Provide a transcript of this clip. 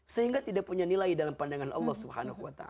sehingga tidak punya nilai dalam pandangan allah swt